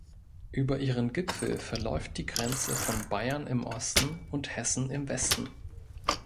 Über ihren Gipfel verläuft die Grenze von Bayern im Osten und Hessen im Westen.